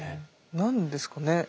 何ですかね？